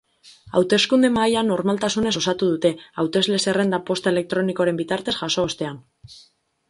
Hauteskunde-mahaia normaltasunez osatu dute, hautesle-zerrenda posta elektronikoaren bitartez jaso ostean.